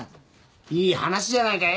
いい話じゃないか。